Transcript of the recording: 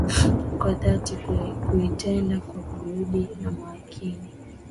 Na kwa dhati kuitenda, kwa juhudi na makini